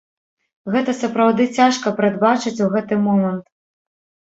Гэта сапраўды цяжка прадбачыць у гэты момант.